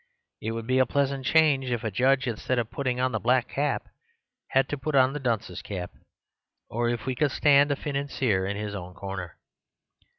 It would be a pleasant change if a judge, instead of putting on the black cap, had to put on the dunce's cap; or if we could stand a financier in his own corner.